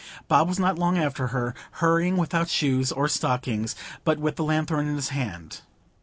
Bob was not long after her, hurrying without shoes or stockings, but with the lanthorn in his hand.